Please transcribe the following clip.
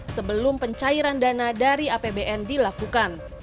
sebelum pencairan dana dari apbn dilakukan